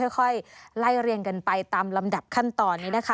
ค่อยไล่เรียงกันไปตามลำดับขั้นตอนนี้นะคะ